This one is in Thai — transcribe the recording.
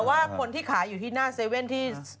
แต่ว่าคนที่ขายอยู่ที่หน้าเซเว่นที่